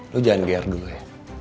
lu jangan geer dulu ya